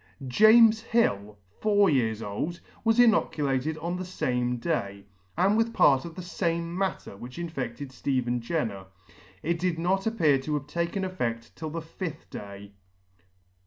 JAMES HILL, four years old, was inoculated on the fame day, and with part of the fame matter which infeded Stephen S 2 Jenner. [ l 3* ] Jenner. It did not appear to have taken effect till the fifth day.